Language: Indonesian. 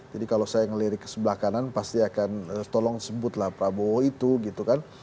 kalau saya ngelirik ke sebelah kanan pasti akan tolong sebutlah prabowo itu gitu kan